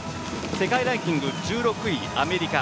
世界ランキング１６位、アメリカ。